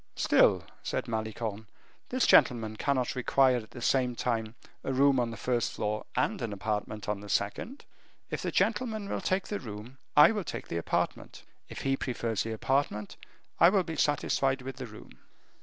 "Still," said Malicorne, "this gentleman cannot require at the same time a room on the first floor and an apartment on the second. If this gentleman will take the room, I will take the apartment: if he prefers the apartment, I will be satisfied with the room."